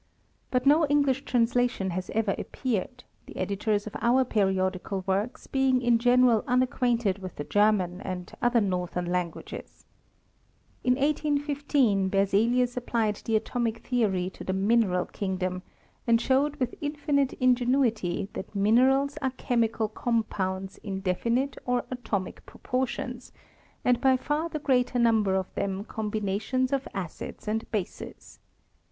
But no £ngUsh translation has evei appeared, the editors of our periodical works being io general unacquaint ed with the German and other northern languages In 1815 Berielius applied the atomic theory to the mineral kingdom, and showed with infinite inge* unity that minerals are chemical compounds in de finite or atomic proportions, and by far the greater nnmber of them combinations of acids and bases.